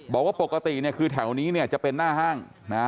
บอกว่าปกติคือแถวนี้จะเป็นหน้าห้าง